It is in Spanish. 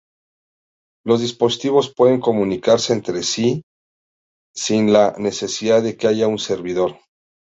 Los dispositivos pueden comunicarse entre sí sin la necesidad de que haya un servidor.